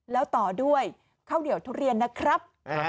แล้วต่อด้วยข้าวเหนียวทุเรียนนะครับ